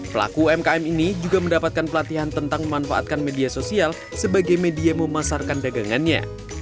pelaku umkm ini juga mendapatkan pelatihan tentang memanfaatkan media sosial sebagai media memasarkan dagangannya